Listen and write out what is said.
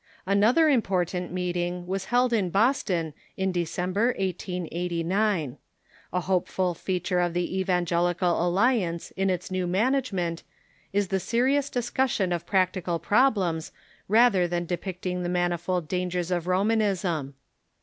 Another important meeting was held in Boston in December, 1889. A hopeful feature of the Evangelical Alliance in its new management is the serious discussion of practical prob lems rather than depicting the manifold dangers of Roman ism.